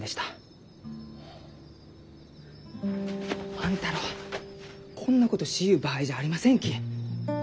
万太郎こんなことしゆう場合じゃありませんき！